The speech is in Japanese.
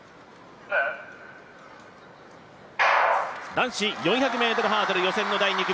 男子４００ｍハードル予選の第２組。